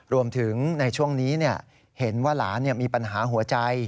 ในช่วงนี้เห็นว่าหลานมีปัญหาหัวใจ